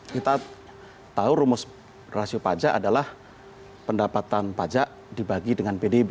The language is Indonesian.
kita tahu rumus rasio pajak adalah pendapatan pajak dibagi dengan pdb